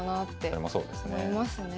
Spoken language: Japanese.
それもそうですね。